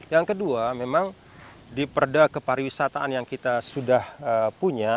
yang kedua memang di perda kepariwisataan yang kita sudah punya